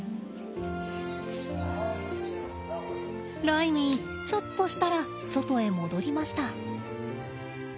ライミーちょっとしたら外へ戻りました。